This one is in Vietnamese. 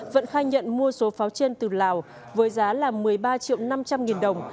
vận khai nhận mua số pháo trên từ lào với giá là một mươi ba triệu năm trăm linh nghìn đồng